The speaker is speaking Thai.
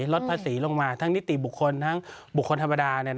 ลดภาษีลงมาทั้งนิติบุคคลทั้งบุคคลธรรมดา